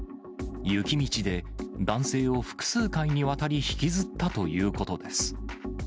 雪道で男性を複数回にわたり、引きずったということです。